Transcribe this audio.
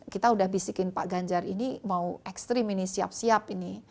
kita udah bisikin pak ganjar ini mau ekstrim ini siap siap ini